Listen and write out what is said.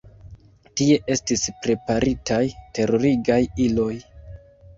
Tie estis preparitaj terurigaj iloj.